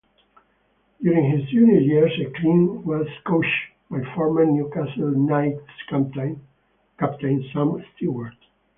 During his junior years Clint was coached by former Newcastle Knights captain Sam Stewart.